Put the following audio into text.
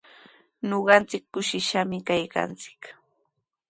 Ñuqanchik kushishqami kaykanchik.